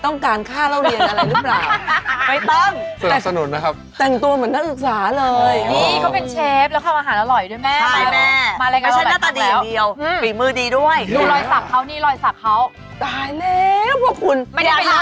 ไม่เคยเคยเคยครับไม่เคยอายะไม่เคย